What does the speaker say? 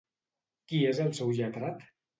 Qui és el seu lletrat?